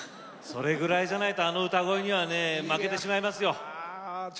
それぐらいではないとあの歌声には負けてしまいますよ。